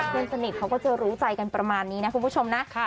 เพื่อนสนิทเขาก็จะรู้ใจกันประมาณนี้นะคุณผู้ชมนะ